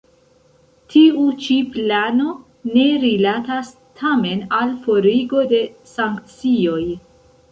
Tiu ĉi plano ne rilatas tamen al forigo de sankcioj.